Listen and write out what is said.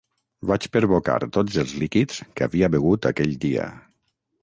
Vaig perbocar tots els líquids que havia begut aquell dia.